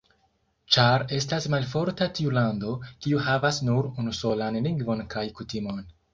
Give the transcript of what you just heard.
Ĉar estas malforta tiu lando, kiu havas nur unusolan lingvon kaj kutimon.